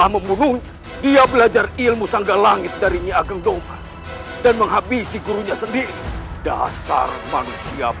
terpaksa aku harus menghancurkan jasadmu